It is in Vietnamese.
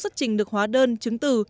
xuất trình được hóa đơn chứng từ